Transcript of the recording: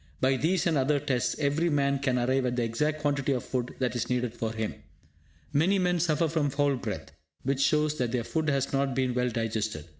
By these and other tests, every man can arrive at the exact quantity of food that is needed for him. Many men suffer from foul breath, which shows that their food has not been well digested.